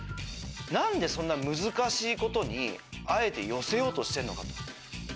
なんでそんな難しいことに、あえて寄せようとしているのかと。